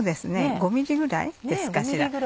５ｍｍぐらいですかしら。